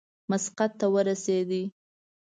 مسقط ته ورسېدی.